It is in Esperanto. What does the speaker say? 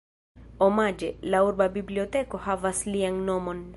Omaĝe, la urba biblioteko havas lian nomon.